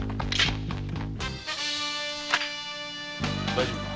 大丈夫か？